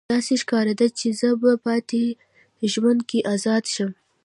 داسې ښکاریده چې زه به په پاتې ژوند کې ازاده شم